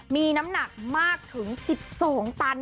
มีน้ำหนักมากถึง๑๒ตัน